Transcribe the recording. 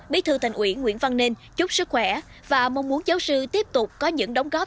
bí thư thành ủy nguyễn văn nên chúc sức khỏe và mong muốn giáo sư tiếp tục có những đóng góp